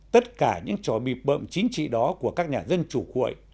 tất cả những trò bịp bợm chính trị đó của các nhà dân chủ cuội